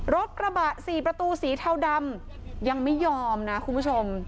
รถกระบะ๔ประตูสีเทาดำยังไม่ยอมนะคุณผู้ชม